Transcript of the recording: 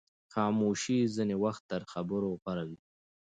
خاموشي ځینې وخت تر خبرو غوره وي.